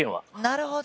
なるほど。